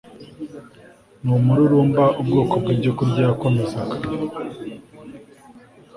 numururumba Ubwoko bwibyokurya yakomezaga